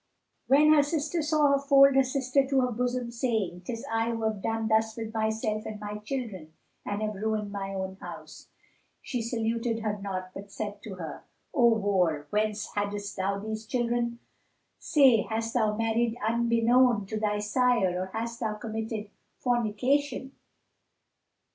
When her sister saw her fold her children to her bosom, saying, "'Tis I who have done thus with myself and my children and have ruined my own house!" she saluted her not, but said to her, "O whore, whence haddest thou these children? Say, hast thou married unbeknown to thy sire or hast thou committed fornication?